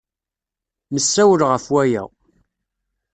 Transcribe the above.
Nessawel ɣef waya.